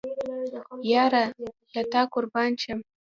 یاره له تا قربان شم